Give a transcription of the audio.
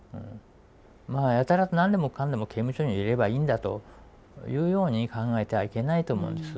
まあやたらと何でもかんでも刑務所に入れればいいんだというように考えてはいけないと思うんです。